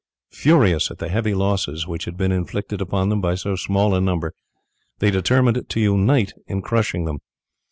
Furious at the heavy losses which had been inflicted upon them by so small a number, they determined to unite in crushing them.